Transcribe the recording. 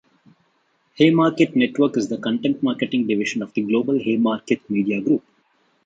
Haymarket Network is the content marketing division of the global Haymarket Media Group.